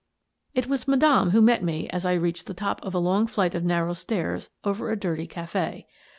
It was Madame who met me as I reached the top of a long flight of narrow stairs over a dirty cafe.